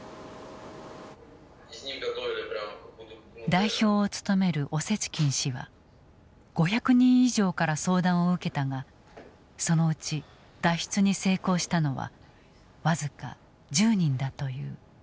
代表を務めるオセチキン氏は５００人以上から相談を受けたがそのうち脱出に成功したのは僅か１０人だという。